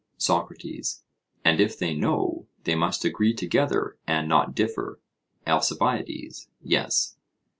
SOCRATES: And if they know, they must agree together and not differ? ALCIBIADES: Yes.